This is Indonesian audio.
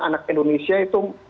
anak indonesia itu